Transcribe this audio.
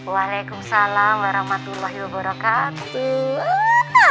waalaikumsalam warahmatullahi wabarakatuh